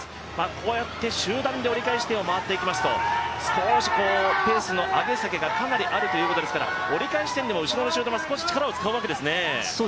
こうやって集団で折り返しを回っていきますと、少しペースの上げ下げがかなりあるということですから折り返し地点でも、後ろの集団は少し力を使うわけですね。